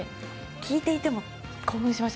聞いていても感動しました。